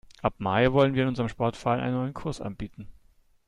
Ab Mai wollen wir in unserem Sportverein einen neuen Kurs anbieten.